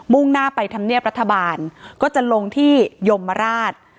่งหน้าไปธรรมเนียบรัฐบาลก็จะลงที่ยมราช